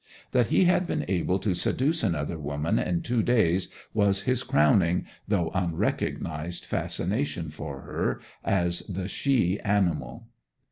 That he had been able to seduce another woman in two days was his crowning though unrecognized fascination for her as the she animal.